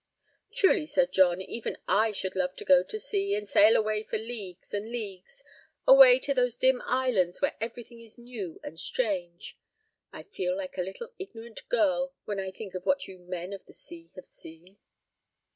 "Truly, Sir John, even I should love to go to sea, and sail away for leagues and leagues—away to those dim islands where everything is new and strange. I feel like a little ignorant girl when I think of what you men of the sea have seen."